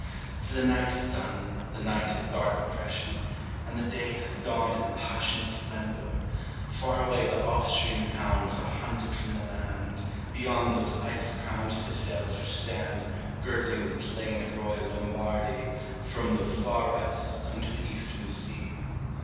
for the night is done, The night of dark oppression, and the day Hath dawned in passionate splendor : far away The Austrian hounds are hunted from the land, Beyond those ice crowned citadels which stand Girdling the plain of royal Lombardy, From the far West unto the Eastern sea.